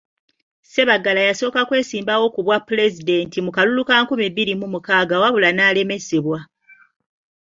Ssebaggala yasooka kwesimbawo ku bwa Pulezidenti mu kalulu ka nkumi bbiri mu mukaaga wabula n'alemesebwa.